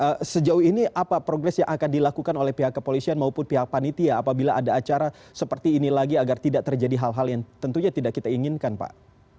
nah sejauh ini apa progres yang akan dilakukan oleh pihak kepolisian maupun pihak panitia apabila ada acara seperti ini lagi agar tidak terjadi hal hal yang tentunya tidak kita inginkan pak